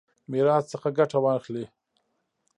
میراث څخه ګټه واخلي.